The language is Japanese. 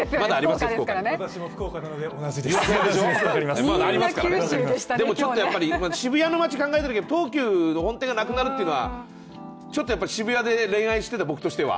でも渋谷の街を考えたときに東急の本店がなくなるというのはちょっと渋谷で恋愛してた僕としては。